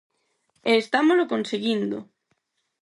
E estámolo conseguindo.